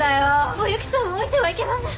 お雪さんを置いてはいけません。